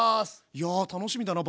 いや楽しみだな